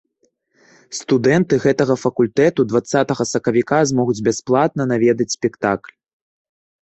Студэнты гэтага факультэту дваццатага сакавіка змогуць бясплатна наведаць спектакль.